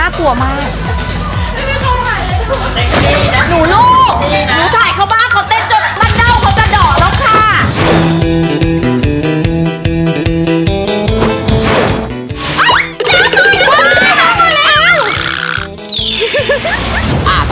ตายละ